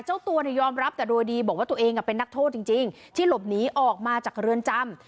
เจ้าตัวยอมรับแต่โดยดีบอกว่าตัวเองเป็นนักโทษจริงที่หลบหนีออกมาจากเรือนจำ